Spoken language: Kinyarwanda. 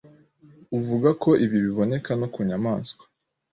avuga ko ibi biboneka no ku nyamaswa